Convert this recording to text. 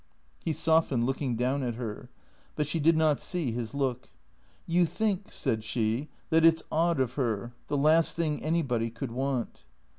He softened, looking down at her. But she did not see his look. "You think," said she, "that it's odd of her — the last thing anybody could want